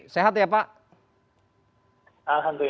selamat sore mas fekdi